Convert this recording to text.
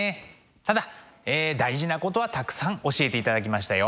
ただ大事なことはたくさん教えていただきましたよ。